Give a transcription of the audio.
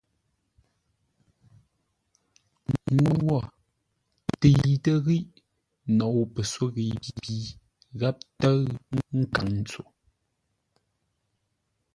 Ŋuu wo təitə́ ghíʼ nou pəsóghəi pi gháp tə́ʉ nkaŋ ntso.